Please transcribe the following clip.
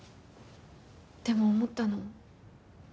でも思ったの。